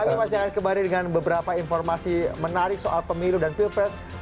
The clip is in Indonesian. kami masih akan kembali dengan beberapa informasi menarik soal pemilu dan pilpres